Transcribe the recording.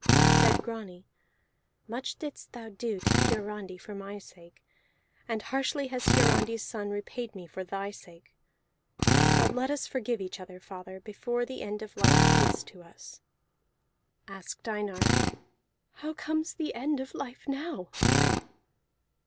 Said Grani, "Much didst thou do to Hiarandi for my sake, and harshly has Hiarandi's son repaid me for thy sake. But let us forgive each other, father, before the end of life comes to us." Asked Einar: "How comes the end of life now?"